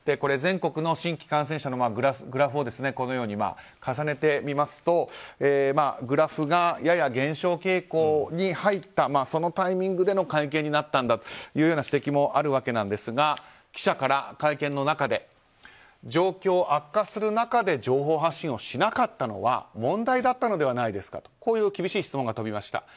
全国の新規感染者のグラフを重ねてみますとグラフがやや減少傾向に入ったタイミングでの会見になったという指摘もあるわけなんですが記者から会見の中で状況悪化する中で情報発信をしなかったのは問題だったのではないですかという厳しい質問が飛びました。